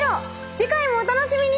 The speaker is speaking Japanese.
次回もお楽しみに！